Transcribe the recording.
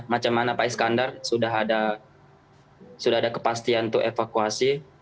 macam mana pak iskandar sudah ada kepastian untuk evakuasi